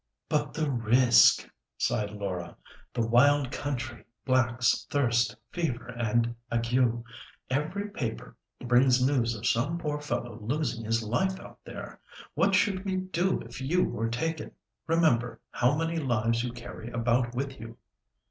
"But the risk!" sighed Laura; "the wild country, blacks, thirst, fever and ague. Every paper brings news of some poor fellow losing his life out there. What should we do if you were taken? Remember how many lives you carry about with you."